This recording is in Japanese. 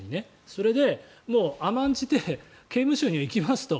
それで甘んじて刑務所に行きますと。